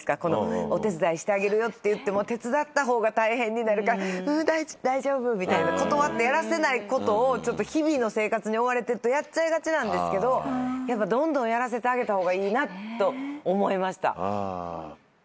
お手伝いしてあげるよっていっても手伝った方が大変になるから「大丈夫」みたいな断ってやらせないことを日々の生活に追われてるとやっちゃいがちなんですけどどんどんやらせてあげた方がいいなと思いました。